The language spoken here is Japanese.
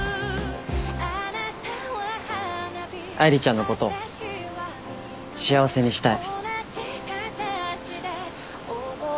愛梨ちゃんのこと幸せにしたい。